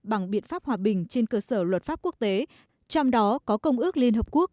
bằng biện pháp hòa bình trên cơ sở luật pháp quốc tế trong đó có công ước liên hợp quốc